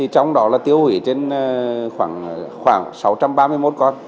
trong đó là tiêu hủy trên khoảng sáu trăm ba mươi một con